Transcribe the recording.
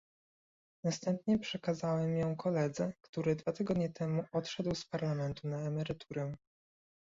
Następnie przekazałem ją koledze, który dwa tygodnie temu odszedł z Parlamentu na emeryturę